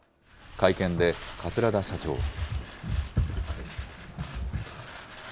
会見で桂田社長は。